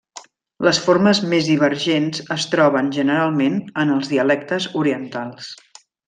Les formes més divergents es troben generalment en els dialectes orientals.